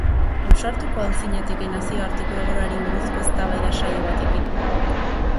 Ausartuko al zinateke nazioarteko egoerari buruzko eztabaida saio batekin?